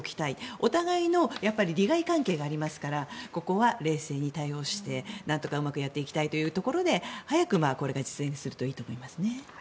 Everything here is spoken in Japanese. お互いの利害関係がありますからここは冷静に対応してなんとかうまくやっていきたいというところで早くこれが実現するといいと思いますね。